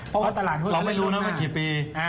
เราไม่รู้นะว่ากี่ปี